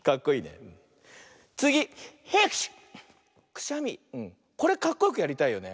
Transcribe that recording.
くしゃみこれかっこよくやりたいよね。